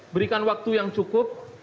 berikan waktu yang cukup